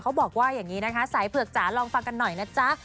เขาบอกว่าอย่างนี้นะคะสายเผือกจ๋าลองฟังกันหน่อยนะจ๊ะ